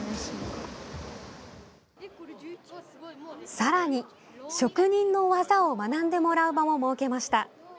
さらに、職人の技を学んでもらう場も設けました。